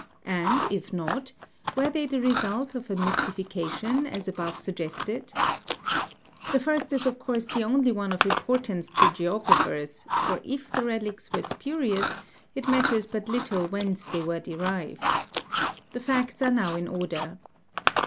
and, if not, were they the result ofa mystification, as above suggested ? 'fhe first is of course the only one of importance to geographers, for if the relics were spurious it matters but little whence tbey were derived, 'fhe facts are now in order.